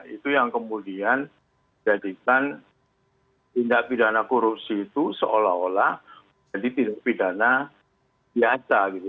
itu yang kemudian jadikan tindak pidana korupsi itu seolah olah jadi tindak pidana biasa gitu